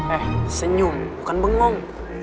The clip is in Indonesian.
eh senyum bukan bengong